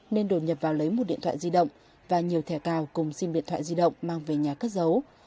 nên đột nhập vào lấy một điện thoại di động và nhiều thẻ cào cùng sim điện thoại di động mang về nhà cất giấu